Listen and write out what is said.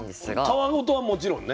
皮ごとはもちろんね。